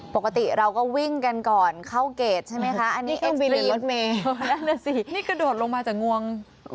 ปกติเราก็วิ่งกันก่อนเข้าเกรดใช่ไหมคะอันนี้เอ็มวีรถเมลนั่นแหละสินี่กระโดดลงมาจากงวง